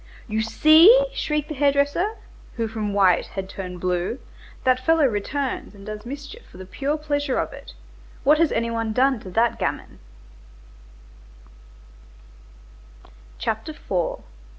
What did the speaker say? "You see!" shrieked the hair dresser, who from white had turned blue, "that fellow returns and does mischief for the pure pleasure of it. What has any one done to that gamin?"